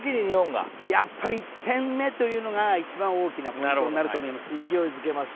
やっぱり１点目というのが一番大きなポイントになると思います。